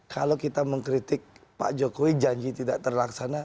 kalau kita mengkritik pak jokowi janji tidak terlaksana